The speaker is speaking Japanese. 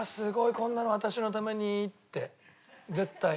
こんなの私のために」って絶対。